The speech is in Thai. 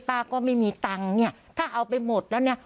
ป้าก็ไม่มีตังค์เนี่ยถ้าเอาไปหมดแล้วเนี่ย